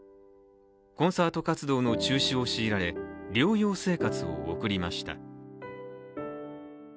コンサート活動の中止を強いられ療養生活を送りました。